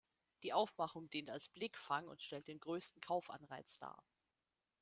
Die Aufmachung dient als Blickfang und stellt den größten Kaufanreiz dar.